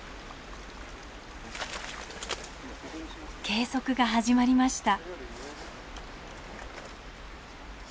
計測が始まりました。